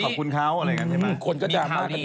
ทำไมไม่คุณขอบคุณเขา